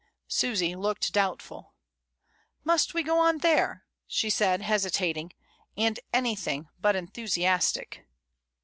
Susy looked doubtful. ^^Must we go on there?" she said, hesitating, and anything but enthusiastic.